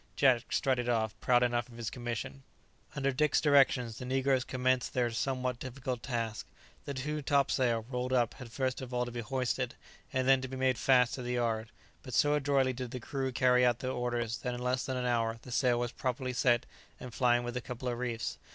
Jack strutted off, proud enough of his commission. Under Dick's directions, the negroes commenced their somewhat difficult task. The new topsail, rolled up, had first of all to be hoisted, and then to be made fast to the yard; but so adroitly did the crew carry out their orders, that in less than an hour the sail was properly set and flying with a couple of reefs.